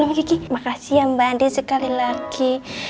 lebih lebih terpaksa kembali sekali lagi